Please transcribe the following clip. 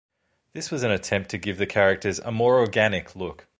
This was an attempt to give the characters a "more organic" look.